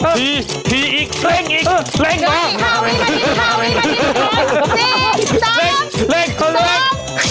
พี่พี่อีกเร่งอีก